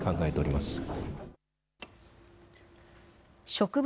植物